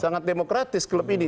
sangat demokratis klub ini